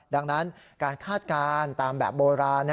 ดังนั้นการคาดการณ์ตามแบบโบราณ